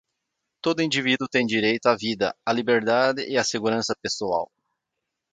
Todo indivíduo tem direito à vida, à liberdade e à segurança pessoal.